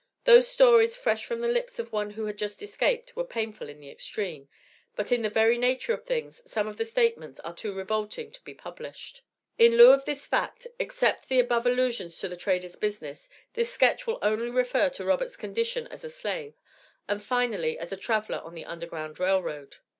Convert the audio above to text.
Those stories fresh from the lips of one who had just escaped, were painful in the extreme, but in the very nature of things some of the statements are too revolting to be published. In lieu of this fact, except the above allusions to the trader's business, this sketch will only refer to Robert's condition as a slave, and finally as a traveler on the Underground Rail Road.